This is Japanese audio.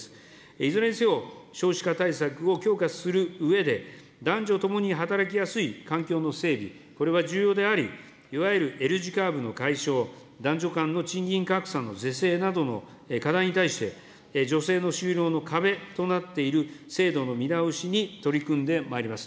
いずれにせよ、少子化対策を強化するうえで、男女ともに働きやすい環境の整備、これは重要であり、いわゆるＬ字カーブの解消、男女間の賃金格差の是正などの課題に対して、女性の就労の壁となっている制度の見直しに取り組んでまいります。